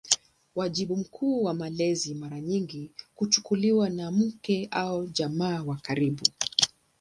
Wajibu mkuu wa mlezi mara nyingi kuchukuliwa na mke au jamaa wa karibu.